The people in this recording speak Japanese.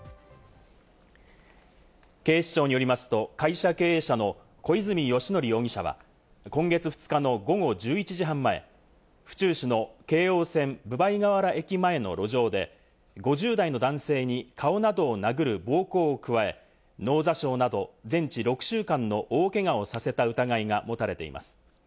警視庁によりますと、会社経営者の小泉喜徳容疑者は、今月２日の午後１１時半前、府中市の京王線・分倍河原駅前の路上で５０代の男性に顔などを殴る暴行を加え、脳挫傷など全治６週間の大けがをさせた疑いが持たれています。